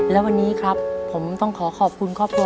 และวันนี้ครับผมต้องขอขอบคุณครอบครัว